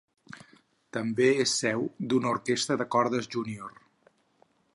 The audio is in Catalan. També és seu d'una orquestra de cordes júnior.